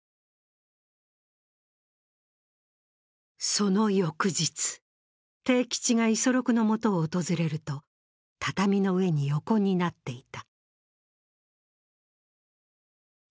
その翌日、悌吉が五十六のもとを訪れると、畳の上に横になっていた。